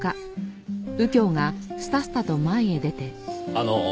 あの。